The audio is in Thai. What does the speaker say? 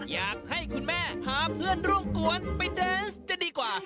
อยากให้คุณแม่หาเพื่อนร่วมกวนไปเดิ้นซ์กินมันจะดีกว่า